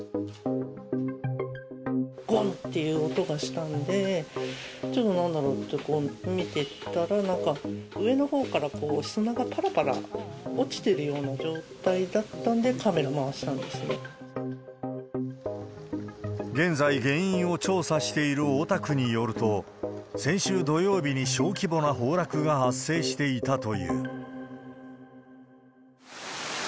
ごん！っていう音がしたので、ちょっと、なんだろうって見てたら、なんか、上のほうから砂がぱらぱら落ちてるような状態だったんで、現在、原因を調査している大田区によると、先週土曜日に小規模な崩落が発生していたという。